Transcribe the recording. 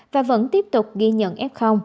và vẫn tiếp tục ghi nhận f